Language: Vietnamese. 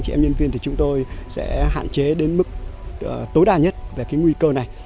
chị em nhân viên chúng tôi sẽ hạn chế đến mức tối đa nhất về nguy cơ này